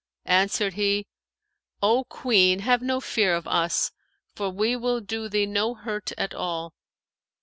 Answered he, 'O Queen, have no fear of us, for we will do thee no hurt at all.